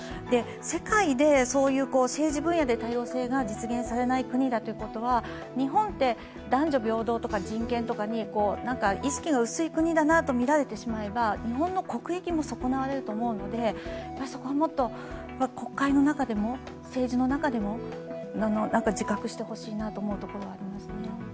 世界でそういう政治分野で多様性が実現されない国ということは日本って、男女平等とか人権とかに意識が薄い国だと見られてしまえば、日本の国益も損なわれると思うので国会の中でも、政治の中でも自覚してほしいなと思うところはありますね。